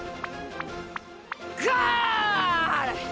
ゴール！